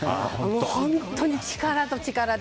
本当に力と力で。